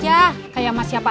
jangan heran bu ecosik uera